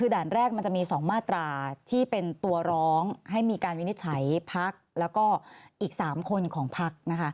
คือด่านแรกมันจะมี๒มาตราที่เป็นตัวร้องให้มีการวินิจฉัยพักแล้วก็อีก๓คนของพักนะคะ